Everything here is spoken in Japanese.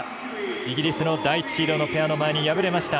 イギリスの第１シードのペアの前に敗れました。